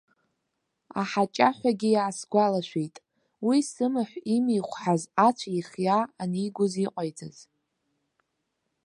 Аҳаҷаҳәагьы иаасгәалашәеит, уи, сымаҳә имихәҳаз ацә еихиаа анигоз иҟаиҵаз.